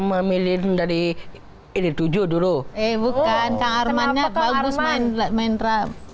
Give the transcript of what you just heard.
memilih dari ini tujuh dulu eh bukan sama anak bagus main main rap